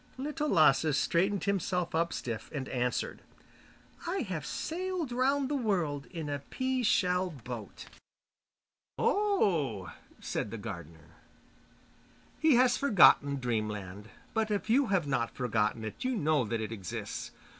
Little Lasse straightened himself up stiff, and answered: 'I have sailed round the world in a pea shell boat.' 'Oh!' said the gardener. He has forgotten Dreamland. But you have not forgotten it; you know that it exists.